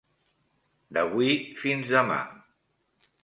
D'avui, fins demà.